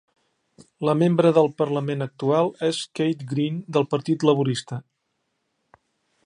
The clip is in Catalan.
La membre del Parlament actual és Kate Green del partit laborista.